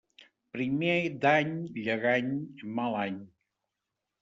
Primer d'any llegany, mal any.